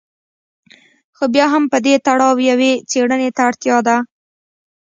خو بیا هم په دې تړاو یوې څېړنې ته اړتیا ده.